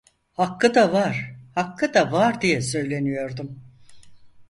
"Hakkı da var, hakkı da var!" diye söyleniyordum.